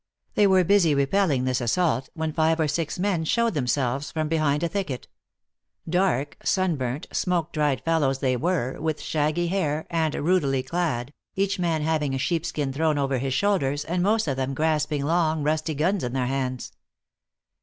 They were busy repelling this assault, when flve or six men showed themselves from behind a thicket. Dark, sunburnt, smoke dried fellows they were, with shaggy hair, and rudely clad, each man having a sheep skin THE ACTRESS IN HIGH LIFE. 123 thrown over his shoulders, and most of them grasping long, rusty guns in their hands.